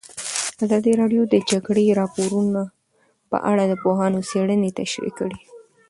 ازادي راډیو د د جګړې راپورونه په اړه د پوهانو څېړنې تشریح کړې.